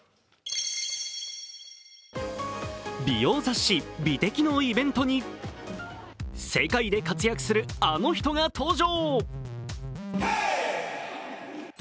美容雑誌「美的」のイベントに、世界で活躍するあの人が登場。